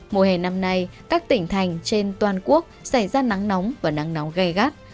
mùa hè năm nay các tỉnh thành trên toàn quốc xảy ra nắng nóng và nắng nóng gai gắt